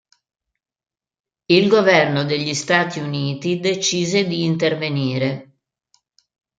Il governo degli Stati Uniti decise di intervenire.